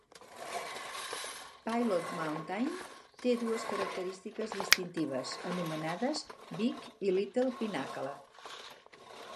Pilot Mountain té dues característiques distintives, anomenades Big i Little Pinnacle.